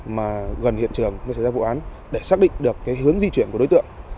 mà gần hiện trường mới xảy ra vụ án để xác định được cái hướng di chuyển của đối tượng